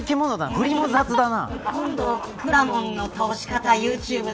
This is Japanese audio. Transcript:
ふりも雑だな。